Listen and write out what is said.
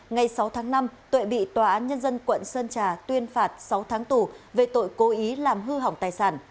ngày sáu tháng năm tuệ bị tòa án nhân dân quận sơn trà tuyên phạt sáu tháng tù về tội cố ý làm hư hỏng tài sản